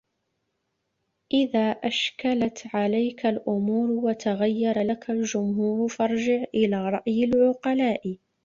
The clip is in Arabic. إذَا أَشْكَلَتْ عَلَيْك الْأُمُورُ وَتَغَيَّرَ لَك الْجُمْهُورُ فَارْجِعْ إلَى رَأْيِ الْعُقَلَاءِ